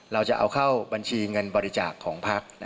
เราจะเอาเข้าบัญชีเงินบริจาคของพัก